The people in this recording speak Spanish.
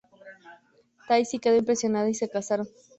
Tai Si quedó impresionada, y se casaron.